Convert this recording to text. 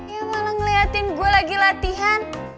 ya malah ngeliatin gue lagi latihan